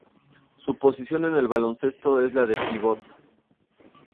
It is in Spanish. Su posición en el baloncesto es la de Pívot.